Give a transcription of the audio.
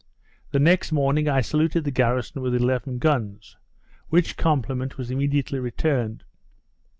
The next morning I saluted the garrison with eleven guns; which compliment was immediately returned.